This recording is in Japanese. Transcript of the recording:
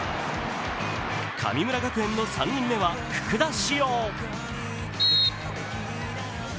神村学園の３人目は福田師王。